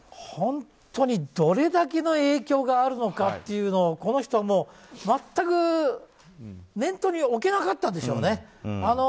本当にどれだけの影響があるのかというのをこの人、全く念頭に置けなかったんでしょうね。